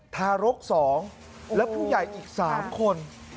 ทารก๒และผู้ใหญ่อีก๓คน